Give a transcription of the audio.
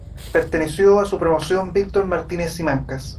Perteneció a su promoción Víctor Martínez Simancas.